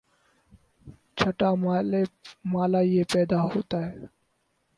چھٹا مألہ یہ پیدا ہوتا ہے